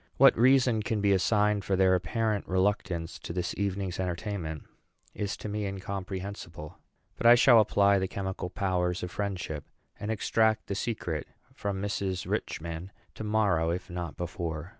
What reason can be assigned for their apparent reluctance to this evening's entertainment is to me incomprehensible; but I shall apply the chemical powers of friendship, and extract the secret from Mrs. Richman to morrow, if not before.